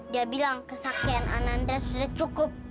dia bilang kesaksian ananda sudah cukup